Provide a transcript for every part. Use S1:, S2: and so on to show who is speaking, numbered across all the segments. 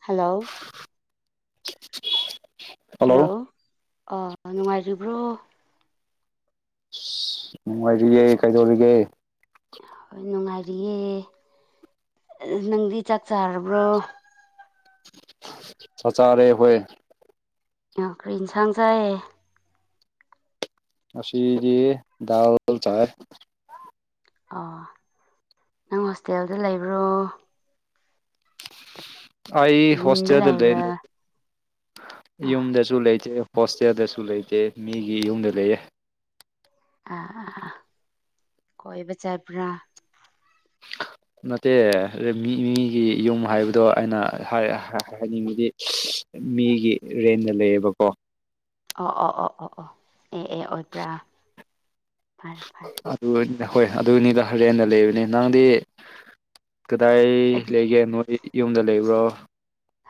S1: hello hello ꯑ ꯅꯨꯡꯉꯥꯏꯔꯤꯕ꯭ꯔꯣ
S2: ꯅꯨꯡꯉꯥꯏꯔꯤꯌꯦ ꯀꯩꯗꯧꯔꯤꯒꯦ
S1: ꯍꯣꯏ ꯅꯨꯡꯉꯥꯏꯔꯤꯌꯦ ꯅꯪꯗꯤ ꯆꯥꯛ ꯆꯥꯔꯕ꯭ꯔꯣ
S2: ꯆꯥꯛꯆꯥꯥꯔꯦ ꯍꯣꯏ
S1: ꯅꯣ ꯀ꯭ꯔꯤ ꯏꯟꯁꯥꯡ ꯆꯥꯏ
S2: ꯉꯁꯤꯗꯤ ꯗꯥꯜ ꯆꯥꯏꯌꯦ
S1: ꯑꯣ ꯅꯪ ꯍꯣꯁꯇꯦꯜꯗ ꯂꯩꯕ꯭ꯔꯣ
S2: ꯑꯩ
S1: ꯌꯨꯝꯗ
S2: ꯍꯣꯁꯇꯦꯜꯗ ꯂꯩ
S1: ꯂꯩꯕ꯭ꯔꯥ ꯑ
S2: ꯌꯨꯝꯗꯁꯨ ꯂꯩꯇꯦ ꯍꯣꯁꯇꯦꯜꯗꯁꯨ ꯂꯩꯇꯦ ꯃꯤꯒꯤ ꯌꯨꯝꯗ ꯂꯩꯌꯦ
S1: ꯑ ꯑ ꯑ ꯀꯣꯏꯕ ꯆꯠꯄ꯭ꯔꯥ [inaudible]
S2: ꯅꯠꯇꯦ ꯃꯤ ꯃꯤꯒꯤ ꯌꯨꯝ ꯍꯥꯏꯕꯗꯣ ꯑꯩꯅ ꯍꯥꯏ ꯍꯥꯏ ꯍꯥꯏꯅꯤꯡꯕꯗꯤ ꯃꯤꯒꯤ ꯔꯦꯟꯗ ꯂꯩꯌꯦꯕꯀꯣ
S1: ꯑꯣ ꯑꯣ ꯑꯣ ꯑꯣ ꯑꯣ ꯑꯦ ꯑꯦ ꯑꯣꯏꯕ꯭ꯔꯥ ꯐꯔꯦ ꯐꯔꯦ
S2: ꯑꯗꯨ ꯍꯣꯏ ꯑꯗꯨꯅꯤꯗ ꯔꯦꯟꯗ ꯂꯩꯕꯅꯤ ꯅꯪꯗꯤ ꯀꯗꯥꯏ ꯀꯔꯤ
S1: ꯑꯩꯗꯤ
S2: ꯂꯩꯒꯦ ꯅꯣꯏ ꯌꯨꯝꯗ ꯂꯩꯕ꯭ꯔꯣ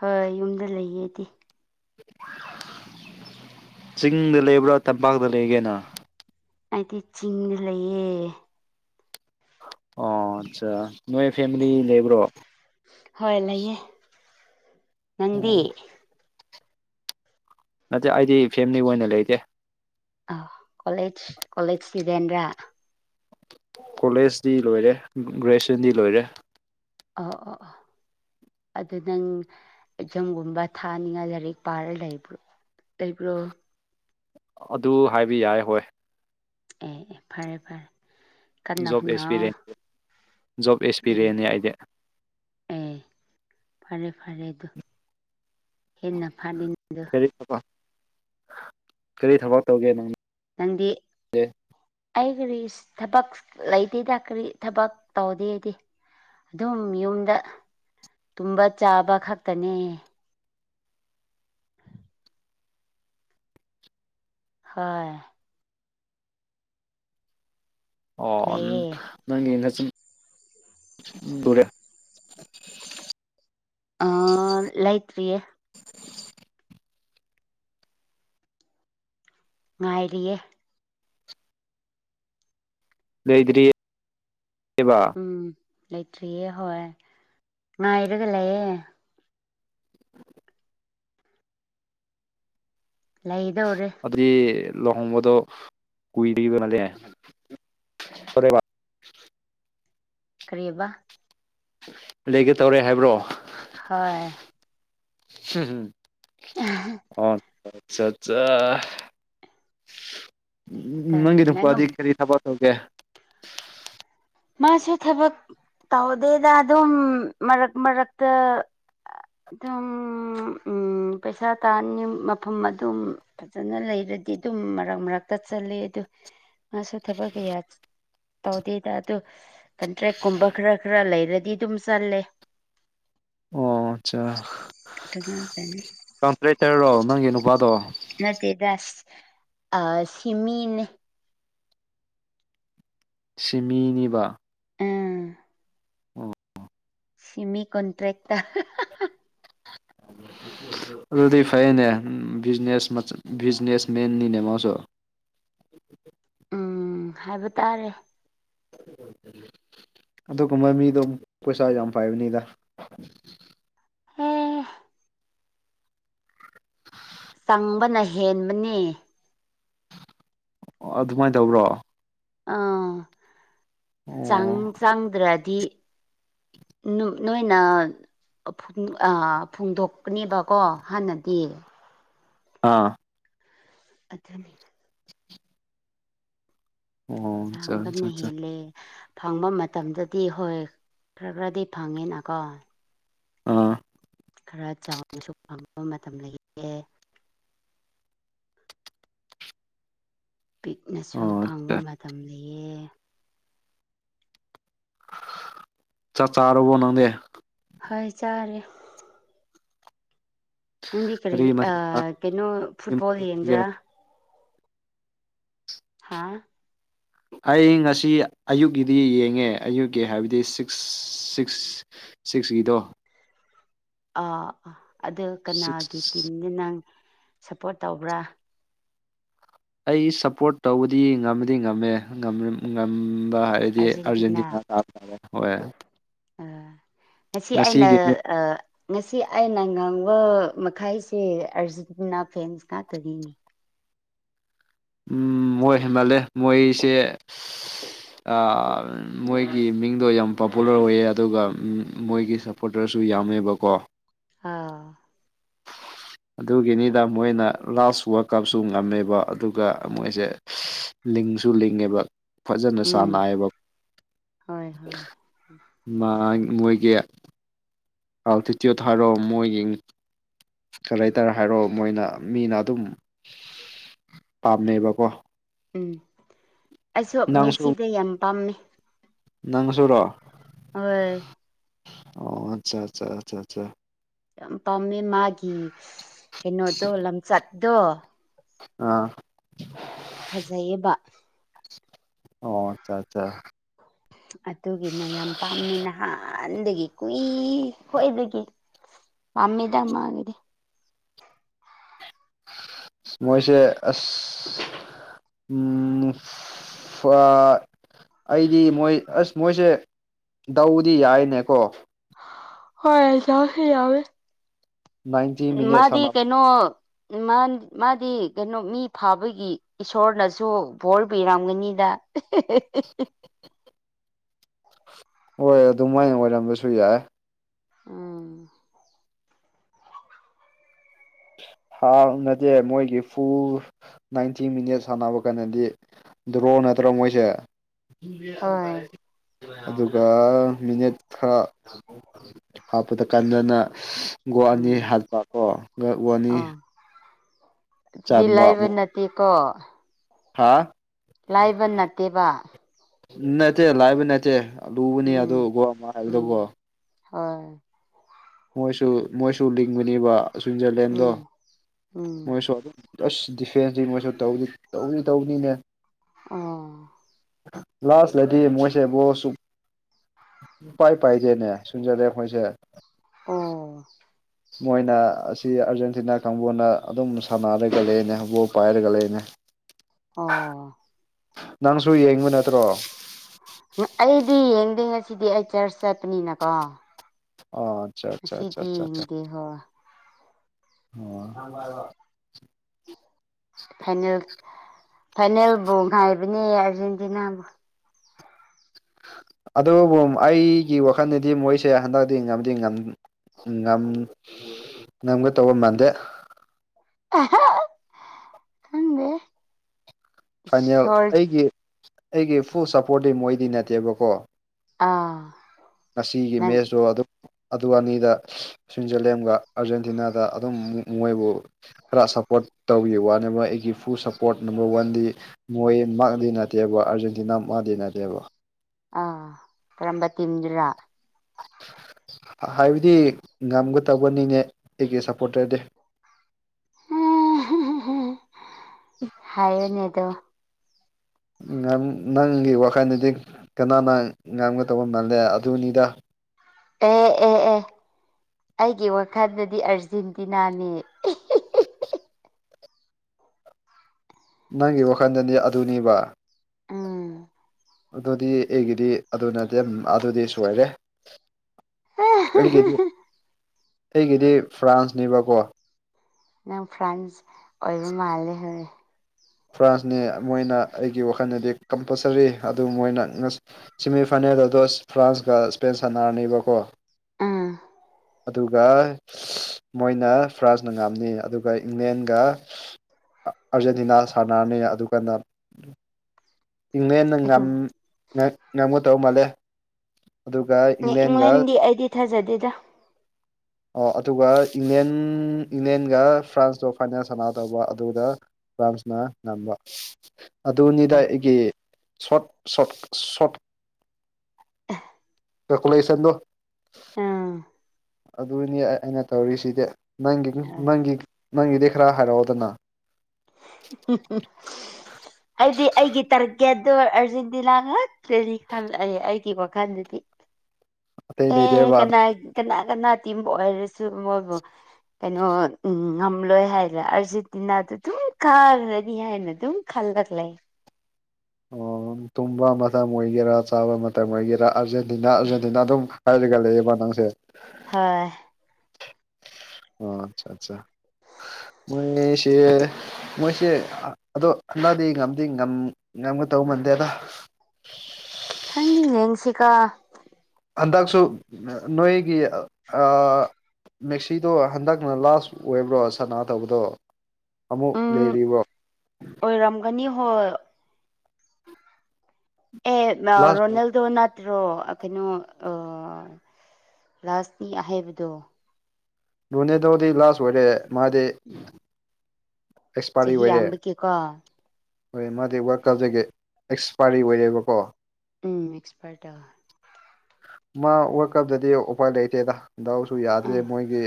S1: ꯍꯣꯏ ꯌꯨꯝꯗ ꯂꯩꯌꯦꯗꯤ
S2: ꯆꯤꯡꯗ ꯂꯩꯕ꯭ꯔꯥ ꯇꯝꯄꯥꯛꯇ ꯂꯩꯒꯦ ꯅꯪ
S1: ꯑꯩꯗꯤ ꯆꯤꯡꯗ ꯂꯩꯌꯦ
S2: ꯑꯣ ꯆꯥ ꯅꯣꯏ ꯐꯦꯃꯤꯂꯤ ꯂꯩꯕ꯭ꯔꯣ
S1: ꯍꯣꯏ ꯂꯩꯌꯦ
S2: ꯑꯣ
S1: ꯅꯪꯗꯤ
S2: ꯅꯠꯇꯦ ꯑꯩꯗꯤ ꯐꯦꯃꯤꯂꯤ ꯑꯣꯏꯅ ꯂꯩꯇꯦ
S1: ꯑꫭ ꯀꯣꯂꯦꯖ ꯀꯣꯂꯦꯖꯒꯤ ꯔꯦꯟꯔ
S2: ꯀꯣꯂꯦꯖꯇꯤ ꯂꯣꯏꯔꯦ ꯒ꯭ꯔꯦꯖ꯭ꯋꯦꯁꯟꯗꯤ ꯂꯣꯏꯔꯦ
S1: ꯑꯣ ꯑꯣ ꯑꫭ ꯑꯗꯨ ꯅꯪ ꯑꯦꯛꯖꯥꯝꯒꯨꯝꯕ ꯊꯥꯅꯤꯡꯉꯥꯏ ꯂꯥꯏꯔꯤꯛ ꯄꯥꯔ ꯂꯩꯕ꯭ꯔꯣ
S2: ꯑꯗꯨ ꯍꯥꯏꯕ ꯌꯥꯏ ꯍꯣꯏ
S1: ꯑꯦ ꯑꯦ ꯐꯔꯦ ꯐꯔꯦ ꯀꯟꯅ
S2: ꯖꯣꯞ
S1: ꯍꯣꯠꯅꯧ
S2: ꯑꯦꯛꯁꯄꯤꯔꯤꯌꯦꯟ ꯖꯣꯕ ꯑꯦꯛꯁꯄꯤꯔꯤꯌꯦꯟꯅꯤ ꯑꯩꯗꯤ
S1: ꯄꯤ ꯐꯔꯦ ꯐꯔꯦ ꯑꯗꯨ ꯍꯦꯟꯅ ꯐꯥꯅꯤ [unintelligible]
S2: ꯀꯔꯤ ꯊꯕꯛ ꯀꯔꯤ ꯊꯕꯛ ꯇꯧꯒꯦ ꯅꯪ
S1: ꯅꯪꯗꯤ ꯑꯩ ꯀꯔꯤ ꯊꯕꯛ ꯂꯩꯇꯦꯗ ꯀꯔꯤ ꯊꯕꯛ ꯇꯧꯗꯦ ꯑꯩꯗꯤ ꯗꯨꯝ ꯌꯨꯝꯗ ꯇꯨꯝꯕ ꯆꯥꯕ ꯈꯛꯇꯅꯦ ꯍꯣꯏ
S2: ꯑꯣ
S1: ꯂꯩꯌꯦ
S2: ꯅꯪꯒꯤ ꯅꯆꯟ [unintelligible]
S1: ꯑꯥ ꯂꯩꯇ꯭ꯔꯤꯌꯦ ꯉꯥꯏꯔꯤꯌꯦ
S2: ꯂꯩꯗ꯭ꯔꯤꯕ
S1: ꯎꯝ ꯂꯩꯇ꯭ꯔꯤꯌꯦ ꯍꯣꯏ ꯉꯥꯏꯔꯒ ꯂꯩꯌꯦ ꯂꯩꯗꯧꯔꯦ
S2: [unintelligible] ꯂꯨꯍꯣꯡꯕꯗꯣ ꯀꯨꯏꯔꯤꯕ [unintelligible]
S1: ꯀꯔꯤꯕ
S2: ꯂꯩꯒꯦ ꯇꯧꯔꯦ ꯍꯥꯏꯕ꯭ꯔꯣ
S1: ꯍꯣꯏ
S2: [unintelligible] ꯆꯠꯆꯥ ꯎꯝ
S1: ꯂꯩꯒꯗꯧꯔꯦ
S2: ꯅꯪꯒꯤ
S1: ꯅꯪ
S2: ꯅꯨꯄꯥꯗꯤ ꯀꯔꯤ ꯊꯕꯛ ꯇꯧꯒꯦ
S1: ꯃꯥꯁꯦ ꯊꯕꯛ ꯇꯧꯗꯦꯗ ꯑꯗꯨꯝ ꯃꯔꯛ ꯃꯔꯛꯇ ꯑꯗꯨꯝ ꯎꯝ ꯄꯩꯁꯥ ꯇꯥꯅꯤ ꯃꯐꯝ ꯑꯗꯨꯝ ꯐꯖꯅ ꯂꯩꯔꯗꯤ ꯑꯗꯨꯝ ꯃꯔꯛ ꯃꯔꯛꯇ ꯆꯠꯂꯦ ꯑꯗꯨ ꯃꯥꯁꯨ ꯊꯕꯛ ꯀꯌꯥ ꯇꯧꯗꯦꯗ ꯑꯗꯨ ꯀꯟꯇ꯭ꯔꯦꯛꯀꯨꯝꯕ ꯈꯔ ꯈꯔ ꯂꯩꯔꯗꯤ ꯑꯗꯨꯝ ꯆꯠꯂꯦ
S2: ꯑꯣ ꯑꯆꯥ
S1: ꯐꯖꯅꯤ
S2: ꯀꯟꯇ꯭ꯔꯦꯛꯇꯔꯔꯣ ꯅꯪꯒꯤ ꯅꯨꯄꯥꯗꯣ
S1: ꯅꯠꯇꯦꯗ ꯑꯥ ꯁꯤꯃꯤꯅꯦ
S2: ꯁꯤ ꯃꯤꯅꯤꯕ
S1: ꯎꯝ
S2: ꯑꯣ
S1: ꯁꯤꯃꯤ ꯀꯟꯇ꯭ꯔꯦꯛꯇ [unintelligible]
S2: ꯑꯗꯨꯗꯤ ꯐꯩꯅꯦ ꯕꯤꯖꯤꯅꯦꯁ ꯃꯆꯥ ꯕꯤꯖꯤꯅꯦꯁ ꯃꯦꯟꯅꯤꯅꯦ ꯃꯥꯁꯨ
S1: ꯎꯝ ꯍꯥꯏꯕ ꯇꯥꯔꯦ
S2: ꯑꯗꯨꯒꯨꯝꯕ ꯃꯤꯗꯣ ꯄꯩꯁꯥ ꯌꯥꯝ ꯄꯥꯏꯕꯅꯤꯗ
S1: ꯍꯦ
S2: [inaudible]
S1: ꯇꯝꯕꯅ ꯍꯦꯟꯕꯅꯦ
S2: ꯑꯣ ꯑꯗꯨꯝꯃꯥꯏꯟ ꯇꯧꯕ꯭ꯔꯣ
S1: ꯑꯥ ꯆꯪ ꯆꯪꯗ꯭ꯔꯗꯤ ꯅꯨ ꯅꯣꯏꯅ ꯐꯨꯡ ꯑꯥ ꯐꯣꯡꯗꯣꯛꯀꯅꯦꯕꯀꯣ ꯍꯥꯟꯅꯗꯤ
S2: ꯑꯥ
S1: ꯑꯗꯨꯅꯤ
S2: ꯑꯣ ꯑꯆꯥ ꯑꯆꯥ
S1: ꯆꯥꯡꯕꯅ
S2: ꯑꯆꯥ
S1: ꯍꯦꯜꯂꯦ ꯐꯪꯕ ꯃꯇꯝꯗꯗꯤ ꯍꯣꯏ ꯈꯔ ꯈꯔꯗꯤ ꯐꯪꯉꯦꯅꯀꯣ
S2: ꯑꯥ
S1: ꯈꯔ ꯆꯥꯎꯅꯁꯨ ꯐꯪꯕ ꯃꯇꯝ ꯂꯩꯌꯦ ꯄꯤꯛꯅꯁꯨ
S2: ꯑꯣ
S1: ꯐꯪꯕ
S2: ꯆꯥꯛ
S1: ꯃꯇꯝ ꯂꯩꯌꯦ
S2: ꯆꯥꯛ ꯆꯥꯔꯕꯣ ꯅꯪꯗꯤ
S1: ꯍꯣꯢ ꯆꯥꯔꯦ ꯅꯪꯗꯤ ꯀꯔꯤ ꯑꯥ ꯀꯩꯅꯣ ꯐꯨꯠꯕꯣꯜ
S2: ꯃꯊꯦꯜꯒꯦ
S1: ꯌꯦꯡꯗ꯭ꯔꯥ ꯍꯥꯥ
S2: ꯑꯩ ꯉꯁꯤ ꯑꯌꯨꯛꯀꯤꯗꯤ ꯌꯦꯡꯉꯦ ꯑꯌꯨꯛꯀꯤ ꯍꯥꯏꯕꯗꯤ ꯁꯤꯛꯁ ꯁꯤꯛꯁ ꯁꯤꯛꯁꯀꯤꯗꯣ
S1: ꯑꯥ ꯑꯗꯨ ꯀꯅꯥꯒꯤ
S2: ꯁꯤꯛꯁ
S1: ꯇꯤꯝꯗ ꯅꯪ ꯁꯞꯄꯣꯔꯠ ꯇꯧꯕ꯭ꯔꯥ
S2: ꯑꯩ ꯁꯞꯄꯣꯔꯠ ꯇꯧꯕꯗꯤ ꯉꯝꯃꯗꯤ ꯉꯝꯃꯦ ꯉꯝꯕ ꯍꯥꯏ ꯑꯩꯗꯤ ꯑꯥꯔꯖꯦꯟꯇꯤꯅꯥ ꯂꯥꯁ ꯇꯥꯔꯦ ꯍꯣꯏ
S1: ꯑꯥ ꯉꯁꯤ ꯑꯩꯅ
S2: ꯉꯁꯤꯒꯤ
S1: ꯑꯥ ꯉꯁꯤ ꯑꯩꯅ ꯉꯥꯡꯕ ꯃꯈꯥꯏꯁꯦ ꯑꯥꯔꯖꯦꯟꯇꯤꯅꯥ ꯐꯦꯟꯁ ꯉꯥꯛꯇꯅꯤ
S2: ꯎꯝ ꯃꯣꯏ ꯍꯦꯟꯃꯜꯂꯦ ꯃꯣꯏꯁꯦ ꯑꯥ ꯃꯣꯏꯒꯤ ꯃꯤꯡꯗꯣ ꯌꯥꯝ ꯄꯣꯄꯨꯂꯔ ꯑꯣꯏꯌꯦ ꯑꯗꯨꯒ ꯃꯣꯏꯒꯤ ꯁꯞ ꯄꯣꯇꯔꯁꯨ ꯌꯥꯝꯃꯦꯕꯀꯣ
S1: ꯑꯥ
S2: ꯑꯗꯨꯒꯤꯅꯤꯗ ꯃꯣꯏꯅ ꯂꯥꯁ ꯋꯥꯔꯜ ꯀꯞꯁꯨ ꯉꯝꯃꯦꯕ ꯑꯗꯨꯒ ꯃꯣꯏꯁꯦ ꯂꯤꯡꯁꯨ ꯂꯤꯡꯉꯦꯕ ꯐꯖꯅ
S1: ꯎꯝ
S2: ꯁꯥꯟꯅꯩꯑꯦꯕ
S1: ꯍꯣꯏ ꯍꯣꯏ
S2: ꯃꯥ ꯃꯣꯏꯒꯤ [unintelligible] ꯊꯥꯔꯛꯑꯣ ꯃꯣꯏ ꯌꯦꯡꯉꯤ ꯀꯥꯂꯦꯇꯔ ꯍꯥꯏꯔꯣ ꯃꯣꯏꯅ ꯃꯤꯅ ꯑꯗꯨꯝ ꯄꯥꯝꯅꯩꯕꯀꯣ
S1: ꯎꯝ ꯑꯩꯁꯨ ꯃꯦꯁꯤꯗ ꯌꯥꯝ ꯄꯥꯝꯃꯦ
S2: ꯅꯪꯁꯨꯨꯔꯣ
S1: ꯍꯣꯏ
S2: ꯑꯣ ꯑꯆꯥ ꯑꯆꯥ ꯑꯆꯥ ꯑꯆꯥ
S1: ꯌꯥꯝ ꯄꯥꯝꯃꯦ ꯃꯥꯒꯤ ꯀꯩꯅꯣꯗꯣ ꯂꯝꯆꯠꯇꯣ
S2: ꯑꯥ
S1: ꯐꯖꯩꯌꯦꯕ
S2: ꯑꯣ ꯑꯆꯥ ꯑꯠꯆꯥ
S1: ꯑꯗꯨꯒꯤꯅ ꯌꯥꯝ ꯄꯥꯝꯃꯤ ꯅꯍꯥꯟꯗꯒꯤ ꯀꯨꯏ ꯈꯣꯏꯗꯒꯤ ꯄꯥꯝꯃꯦꯗ ꯃꯥꯒꯤꯗꯤ
S2: ꯃꯣꯏꯁꯦ ꯑꯁ ꯎꯝ ꯑꯥ ꯑꯩꯗꯤ ꯃꯣꯏ ꯑꯁ ꯃꯣꯏꯁꯦ ꯗꯧꯗꯤ ꯌꯥꯏꯅꯦꯀꯣ
S1: ꯍꯣꯏ ꯗꯧꯗꯤ ꯌꯥꯢꯌꯦ
S2: ꯅꯥꯏꯟꯇꯤ ꯃꯤꯅꯠ
S1: ꯃꯥꯗꯤ
S2: ꯁꯥꯟꯅꯕ
S1: ꯀꯩꯅꯣ ꯃꯥꯗꯤ ꯀꯩꯅꯣ ꯃꯤ ꯐꯥꯕꯒꯤ ꯏꯁꯣꯔꯅꯁꯨ ꯚꯣꯔ ꯄꯤꯔꯝꯒꯅꯤꯗ [unintelligible]
S2: ꯍꯣꯏ ꯑꯗꯨꯃꯥꯏꯅ ꯑꯣꯏꯔꯝꯕꯁꯨ ꯌꯥꯏ
S1: ꯎꯝ
S2: ꯍꯥꯐ ꯅꯇꯦ ꯃꯣꯏꯒꯤ ꯐꯨꯜ ꯅꯥꯏꯟꯇꯤ ꯃꯤꯅꯠꯁ ꯁꯥꯟꯅꯕ ꯀꯥꯟꯗꯗꯤ ꯗ꯭ꯔꯣ ꯅꯠꯇ꯭ꯔꯣ ꯃꯣꯏꯁꯦ
S1: ꯍꯣꯏ
S2: [unintelligible] ꯑꯗꯨꯒ ꯃꯤꯅꯤꯠ ꯈꯔꯥ ꯍꯥꯞꯄꯗ ꯀꯥꯟꯗꯅ ꯒꯣꯜ ꯑꯅꯤ
S1: ꯎꯝ
S2: ꯍꯥꯠꯄꯀꯣ [unintelligible]
S1: ꯑꯥ ꯑꯗꯨꯗꯤ ꯂꯥꯢꯕ ꯅꯠꯇꯦꯀꯣ
S2: ꯍꯥꯥ
S1: ꯂꯥꯏꯕ ꯅꯠꯇꯦꯕ
S2: ꯅꯠꯇꯦ ꯂꯥꯏꯕ ꯅꯠꯇꯦ ꯂꯨꯕꯅꯦ ꯑꯗꯨ
S1: ꯎꯝ
S2: ꯒꯣꯜ ꯑꯃ ꯍꯥꯏꯕꯗꯀꯣ
S1: ꯎꯝ ꯍꯣꯏ
S2: ꯃꯣꯏꯁꯨ ꯃꯣꯏꯁꯨ ꯂꯤꯡꯕꯅꯦꯕ ꯁ꯭ꯋꯤꯠꯖꯔꯂꯦꯟꯗꯣ
S1: ꯎꯝ ꯎꯝ
S2: ꯃꯣꯏꯁꯨ ꯑꯗꯨꯝ ꯑꯁ ꯗꯤꯐꯦꯟꯁꯇꯤ ꯃꯣꯢꯁꯨ ꯇꯧꯗꯦ ꯇꯧꯗꯤ ꯇꯧꯕꯅꯤꯅꯦ
S1: ꯑꯣ
S2: ꯂꯥꯁ ꯂꯗꯤ ꯃꯣꯏꯁꯦ ꯕꯣꯜ ꯁꯨ ꯄꯥꯏ ꯄꯥꯏꯗꯦꯅꯦ ꯁꯨꯏꯠꯖꯔꯂꯦꯟ ꯈꯣꯏꯁꯦ
S1: ꯑꯣ
S2: ꯃꯣꯏꯅ ꯑꯁꯤ ꯑꯥꯔꯖꯦꯟꯇꯤꯅꯥ ꯀꯥꯡꯕꯨꯅ ꯑꯗꯨꯝ ꯁꯥꯟꯅꯔꯒ ꯂꯩꯅꯦ ꯕꯣꯜ ꯄꯥꯏꯔꯒ ꯂꯩꯅꯦ
S1: ꯑꯣ
S2: ꯅꯪꯁꯨ ꯌꯦꯡꯕ ꯅꯠꯇ꯭ꯔꯣ
S1: ꯑꯩꯗꯤ ꯌꯦꯡꯗꯦꯍꯦ ꯉꯁꯤꯗꯤ ꯑꯩ ꯆꯔꯆ ꯆꯠꯄꯅꯤꯅꯀꯣ
S2: ꯑꯣ ꯑꯆꯥ
S1: ꯉꯁꯤꯗꯤ ꯌꯦꯡꯗꯦ ꯍꯣꯏ
S2: ꯑꯣ [unintelligible]
S1: ꯐꯥꯢꯅꯦꯜ ꯐꯥꯏꯅꯦꯜꯕꯨ ꯉꯥꯏꯕꯅꯤ ꯑꯥꯔꯖꯦꯟꯇꯤꯅꯥꯕꯨ
S2: ꯑꯗꯨꯕꯨ ꯑꯩꯒꯤ ꯋꯥꯈꯜꯗꯗꯤ ꯃꯣꯏꯁꯦ ꯍꯟꯗꯛꯇꯤ ꯉꯝꯗꯤ ꯉꯝ ꯉꯝ ꯉꯝꯒꯇꯧꯕ ꯃꯥꯟꯗꯦ
S1: ꯑꯍꯥ ꯈꯪꯗꯦ
S2: ꯐꯥꯏꯅꯦꯜ
S1: ꯏꯁꯣꯔ
S2: ꯑꯩꯒꯤ ꯑꯩꯒꯤ ꯐꯨꯜ ꯁꯞꯄꯣꯔꯠꯇꯤ ꯃꯣꯏꯗꯤ ꯅꯠꯇꯦꯕꯀꯣ
S1: ꯑꯥ
S2: ꯉꯁꯤꯒꯤ
S1: ꯅꯪ
S2: ꯃꯦꯠꯁꯇꯣ ꯑꯗꯨꯝ ꯑꯗꯨ ꯑꯅꯤꯗ ꯁ꯭ꯋꯤꯠꯖꯔꯂꯦꯝꯒ ꯑꯥꯔꯖꯦꯟꯇꯤꯅꯥꯗ ꯑꯗꯨꯝ ꯃꯣꯏꯕꯨ ꯈꯔ ꯁꯞꯄꯣꯔꯠ ꯇꯧꯕꯒꯤ ꯋꯥꯅꯦꯕ ꯑꯩꯒꯤ ꯐꯨꯜ ꯁꯞꯄꯣꯔꯠ ꯅꯝꯕꯔ ꯋꯥꯟꯗꯤ ꯃꯣꯏ ꯃꯥꯛꯗꯤ ꯅꯠꯇꯦꯕ ꯑꯥꯔꯖꯦꯟꯇꯤꯅꯥ ꯃꯥꯗꯤ ꯅꯠꯇꯦꯕ
S1: ꯑꯥ ꯀꯔꯝꯕ ꯇꯤꯝꯗꯔꯥ
S2: ꯍꯥꯏꯕꯗꯤ ꯉꯝꯒꯗꯧꯕꯅꯤꯅꯦ ꯑꯩꯒꯤ ꯁꯞꯄꯣꯔꯇꯔꯗꯤ
S1: ꯍꯥ ꯍꯥ ꯍꯥ ꯍ ꯍ ꯍꯥꯏꯌꯨꯅꯦ ꯑꯗꯣ
S2: ꯉꯝ ꯅꯪꯒꯤ ꯋꯥꯈꯜꯗꯗꯤ ꯀꯅꯥꯅ ꯉꯥꯝꯒꯇꯧꯕ ꯃꯥꯜꯂꯦ ꯑꯗꯨꯅꯤꯗ
S1: ꯑꯦ ꯑꯦ ꯑꯦ ꯑꯩꯒꯤ ꯋꯥꯈꯜꯗꯗꯤ ꯑꯔꯖꯦꯟꯇꯤꯅꯥꯅꯤ
S2: ꯅꯪꯒꯤ ꯋꯥꯈꯟꯗꯅꯗꯤ ꯑꯗꯨꯅꯦꯕ
S1: ꯎꯝ
S2: ꯑꯗꯨꯗꯤ ꯑꯩꯒꯤꯗꯤ ꯑꯗꯨ ꯅꯠꯇꯦ ꯑꯗꯨꯗꯤ ꯁꯣꯏꯔꯦ ꯑꯩꯒꯤꯕꯨ ꯑꯩꯒꯤꯗꯤ ꯐ꯭ꯔꯥꯟꯁꯅꯦꯕꯀꯣ
S1: ꯅꯪ ꯐ꯭ꯔꯦꯟꯁ ꯑꯣꯏꯕ ꯃꯥꯜꯂꯦ ꯍꯣꯢ
S2: ꯐ꯭ꯔꯥꯟꯁꯅꯦ ꯃꯣꯏꯅ ꯑꯩꯒꯤ ꯋꯥꯈꯟꯗꯗꯤ ꯀꯝꯄꯜꯁꯔꯤ ꯑꯗꯨ ꯃꯣꯏꯅ ꯁꯦꯃꯤꯐꯥꯏꯅꯦꯜ ꯑꯗꯣ ꯑꯁ ꯐ꯭ꯔꯥꯟꯁꯀ ꯁ꯭ꯄꯦꯟ ꯁꯥꯟꯅꯔꯅꯤꯕꯀꯣ
S1: ꯎꯝ
S2: ꯑꯗꯨꯒ ꯁꯤ ꯃꯣꯏꯅ ꯐ꯭ꯔꯥꯟꯁꯅ ꯉꯝꯅꯤ ꯑꯗꯨꯒ ꯏꯪꯂꯦꯟꯒ ꯑꯥꯔꯖꯦꯟꯇꯤꯅꯥ ꯁꯅꯔꯅꯤ ꯑꯗꯨ ꯀꯥꯟꯗ ꯏꯪꯂꯦꯟꯅ ꯉꯝ ꯉꯝꯒꯗꯧ ꯃꯥꯜꯂꯦ ꯑꯗꯨꯒ ꯏꯪꯂꯦꯟꯒ
S1: ꯏꯪꯂꯦꯟꯗꯤ ꯑꯩꯗꯤ ꯊꯥꯖꯗꯦꯗ
S2: ꯑꯣ ꯑꯗꯨꯒ ꯏꯪꯂꯦꯟ ꯏꯪꯂꯦꯟꯒ ꯐ꯭ꯔꯥꯟꯁꯇꯣ ꯐꯥꯏꯅꯦꯜ ꯁꯅꯥ ꯗꯧꯕ ꯑꯗꯨꯗ ꯐ꯭ꯔꯥꯟꯁꯅ ꯉꯝꯕ ꯑꯗꯨꯅꯤꯗ ꯑꯩꯒꯤ ꯁꯣꯔꯠ ꯁꯣꯔꯠ ꯁꯣꯔꯠ ꯀꯥꯀꯨꯂꯦꯁꯟꯗꯣ
S1: ꯎꯝ
S2: ꯑꯗꯨꯅꯤ ꯑꯩꯅ ꯇꯧꯔꯤꯁꯤꯗꯤ ꯅꯪꯒꯤꯗꯤ ꯅꯪꯒꯤ ꯅꯪꯒꯤꯗꯤ ꯈꯔ ꯍꯥꯏꯔꯛꯑꯣꯗꯅ
S1: ꯍꯨꯡ ꯍꯨꯡ ꯍꯨꯡ [unintelligible] ꯑꯩꯗꯤ ꯑꯩꯒꯤ ꯇꯥꯔꯒꯦꯠꯇꯣ ꯑꯥꯔꯖꯦꯟꯇꯤꯅꯥ ꯉꯥꯛ ꯇꯅꯤ ꯈꯜꯂꯦ ꯑꯩꯒꯤ ꯋꯥꯈꯜꯗꯗꯤ
S2: ꯑꯇꯩ
S1: ꯑꯦ
S2: ꯂꯩꯇꯦꯕ
S1: ꯀꯅꯥ ꯀꯅꯥ ꯀꯅꯥ ꯇꯤꯝ ꯑꯣꯏꯔꯁꯨ ꯃꯣꯏꯕꯨ ꯀꯩꯅꯣ ꯎꯝ ꯉꯝꯂꯣꯏ ꯍꯥꯏꯔ ꯑꯔꯖꯦꯟꯇꯤꯅꯥꯗꯨ ꯑꯗꯨꯝ ꯀꯥꯔꯗꯤ ꯍꯥꯏꯌꯦꯅ ꯑꯗꯨꯝ ꯈꯜꯂ ꯂꯩ
S2: ꯑꯣ ꯇꯨꯝꯕ ꯃꯇꯝ ꯑꯣꯏꯒꯦꯔꯥ ꯆꯥꯕ ꯃꯇꯝ ꯑꯣꯏꯒꯦꯔꯥ ꯑꯥꯔꯖꯦꯟꯇꯤꯅꯥ ꯑꯥꯔꯖꯦꯟꯇꯤꯅꯥ ꯑꯗꯨꯝ ꯍꯥꯢꯔꯜ ꯂꯩꯌꯦꯕ ꯅꯪꯁꯦ
S1: ꯍꯣꯏ
S2: ꯑꯥ ꯑꯆꯥ ꯑꯆꯥ ꯃꯣꯏ ꯃꯤ ꯁꯤ ꯃꯣꯏꯁꯦ ꯑꯗꯣ ꯍꯟꯗꯛꯗꯤ ꯉꯝꯗꯤ ꯉꯝ ꯉꯝꯒꯗꯧ ꯃꯥꯟꯗꯦꯗ
S1: ꯈꯪꯗꯦ ꯌꯦꯡꯁꯤꯀꯣ
S2: ꯍꯟꯗꯛꯁꯨ ꯅꯣꯏꯒꯤ ꯑꯥ ꯃꯦꯁꯤꯗꯣ ꯍꯟꯗꯛꯅ ꯂꯥꯁ ꯑꯣꯏꯕ꯭ꯔꯣ ꯁꯅꯥꯗꯧꯕꯗꯣ ꯑꯃꯨꯛ
S1: ꯎꯝ
S2: ꯂꯩꯔꯤꯕ꯭ꯔꯣ
S1: ꯑꯣꯏꯔꯝꯒꯅꯤ ꯍꯣꯏ ꯑꯦ ꯅꯥ
S2: ꯂꯥꯁ
S1: ꯔꯣꯅꯦꯜꯗꯣ ꯅ ꯇ꯭ꯔꯣ ꯀꯩꯅꯣ ꯑꯥ ꯂꯥꯁꯀꯤ ꯑꯍꯩꯕꯗꯣ
S2: ꯔꯣꯅꯦꯜꯗꯣꯗꯤ ꯂꯥꯁ ꯑꯣꯏꯔꯦ ꯃꯥꯗꯤ ꯑꯦꯛꯁꯄꯥꯥꯏꯔꯤ
S1: ꯆꯍꯤ
S2: ꯑꯣꯏꯔꯦ
S1: ꯌꯥꯝꯕꯒꯤꯀꯣ
S2: ꯍꯣꯏ ꯃꯥꯗꯤ ꯋꯥꯔꯜ ꯀꯥꯞꯗꯒꯤ ꯑꯦꯛꯁꯄꯥꯏꯔꯤ ꯑꯣꯏꯔꯦꯕꯀꯣ
S1: ꯎꯝ [unintelligible] ꯗꯣ
S2: ꯃꯥ ꯋꯥꯔꯜ ꯀꯞꯇꯗꯤ ꯎꯄꯥꯏ ꯂꯩꯇꯦꯗ ꯗꯥꯎꯁꯨ ꯌꯥꯗ꯭ꯔꯦ
S1: ꯎꯝ
S2: ꯃꯣꯏꯗꯤ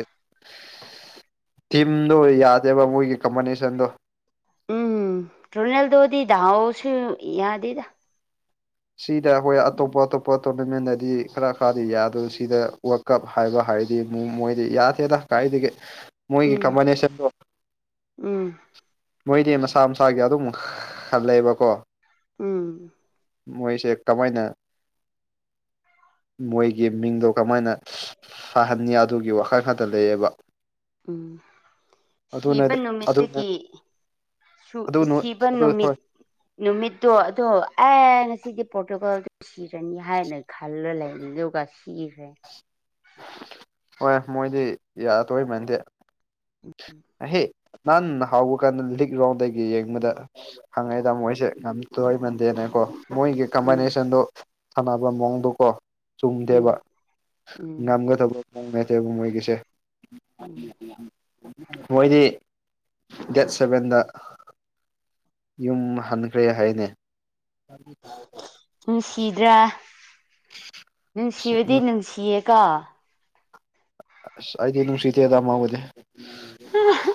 S2: ꯇꯤꯝꯗꯣ ꯌꯥꯗꯦꯕ ꯃꯣꯏꯒꯤ ꯀꯝꯕꯥꯟꯖꯦꯁꯟꯗꯣ
S1: ꯎꯝ ꯔꯣꯅꯦꯜꯗꯣꯗꯤ ꯗꯥꯎꯁꯨ ꯌꯥꯗꯦꯗ
S2: ꯁꯤꯗ ꯑꯩꯈꯣꯏ ꯑꯇꯣꯞꯄ ꯑꯇꯣꯞꯄ ꯇꯣꯔꯅꯃꯦꯟꯗꯗꯤ ꯈꯔ ꯈꯔꯗꯤ ꯌꯥꯢ ꯑꯗꯨ ꯁꯤꯗ ꯀꯞ ꯍꯥꯏꯕ ꯍꯥꯏꯔꯗꯤ ꯃꯣꯏꯗꯤ ꯌꯥꯗꯦꯗ ꯀꯥꯏꯗꯒꯤ ꯃꯣꯏꯗꯤ
S1: ꯎꯝ
S2: ꯀꯝꯕꯥꯏꯅꯦꯁꯟꯗꯣ
S1: ꯎꯝ
S2: ꯃꯣꯏꯗꯤ ꯃꯁꯥ ꯃꯁꯥꯒꯤ ꯑꯗꯨꯝ ꯈꯜꯂꯦꯕꯀꯣ
S1: ꯎꯝ
S2: ꯃꯣꯏꯁꯦ ꯀꯃꯥꯏꯅ ꯃꯣꯏꯒꯤ ꯃꯤꯡꯗꯣ ꯀꯃꯥꯏꯅ ꯁꯥꯍꯟꯅꯤ ꯑꯗꯨꯒꯤ ꯋꯥꯈꯜ ꯈꯛꯇ ꯂꯩꯌꯦꯕ
S1: ꯎꯝ
S2: ꯑꯗꯨꯅ
S1: ꯁꯤꯕ
S2: ꯑꯗꯨ
S1: ꯅꯨꯃꯤꯠꯇꯒꯤ ꯁꯨ
S2: ꯑꯗꯨ
S1: ꯁꯤꯕ
S2: ꯑꯗꯨ
S1: ꯅꯨꯃꯤꯠ
S2: ꯍꯣꯏ
S1: ꯅꯨꯃꯤꯠꯇꯣ ꯑꯗꯣ ꯑꯦ ꯉꯁꯤꯗꯤ ꯄꯣꯔꯇꯨꯒꯜ ꯁꯤꯒꯅꯤ ꯍꯥꯏꯅ ꯈꯜꯂ ꯂꯩꯔꯦ ꯑꯗꯨꯒꯥ ꯁꯤꯒ꯭ꯔꯦꯅꯦ
S2: ꯍꯣꯏ ꯃꯣꯏꯗꯤ ꯌꯥꯗꯣꯏ ꯃꯥꯟꯗꯦ ꯑꯍꯩ ꯅꯥꯍꯥꯟ ꯍꯧꯕꯀꯥꯟꯗ ꯂꯤꯛ ꯔꯥꯎꯟꯗꯒꯤ ꯌꯦꯡꯕꯗ ꯍꯪꯉꯦ ꯑꯗ ꯃꯣꯏꯁꯦ ꯌꯥꯝ ꯇꯣꯏꯃꯟꯗꯦꯅꯦꯀꯣ ꯃꯣꯏꯒꯤ
S1: ꯎꯝ
S2: ꯀꯝꯕꯥꯏꯟꯅꯦꯁꯟꯗꯣ ꯁꯥꯟꯅꯕ ꯃꯋꫭꯡꯗꫭꯀꯣ ꯆꯨꯝꯗꯦꯕ
S1: ꯎꯝ ꯎꯝ
S2: ꯉꯝꯒꯗꯕ ꯃꯋꫭꯡ ꯅꯠꯇꯦꯕ ꯃꯣꯏꯒꯤꯁꯦ
S1: ꯎꯝ
S2: ꯃꯣꯏꯗꯤ ꯗꯦꯠ ꯁꯚꯦꯟꯗ ꯌꯨꯝ ꯍꯟꯈ꯭ꯔꯦ ꯍꯥꯏꯅꯦ
S1: ꯅꯨꯡꯁꯤꯗ꯭ꯔ
S2: ꯑꯁ
S1: ꯅꯨꯡꯁꯤꯕꯗꯤ ꯅꯨꯡꯁꯤꯌꯦꯀꯣ
S2: ꯑꯁ ꯑꯩꯗꯤ ꯅꯨꯡꯁꯤꯗꯦꯗ ꯃꯥꯕꯨꯗꯤ [unintelligible]
S1: [unintelligible]